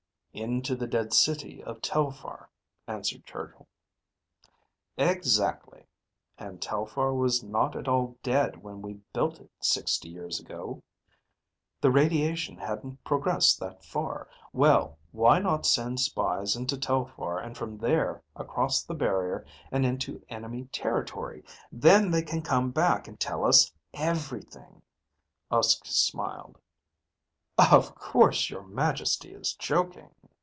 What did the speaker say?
"Into the dead city of Telphar," answered Chargill. "Exactly. And Telphar was not at all dead when we built it, sixty years ago. The radiation hadn't progressed that far. Well, why not send spies into Telphar and from there, across the barrier and into enemy territory. Then they can come back and tell us everything." Uske smiled. "Of course your Majesty is joking."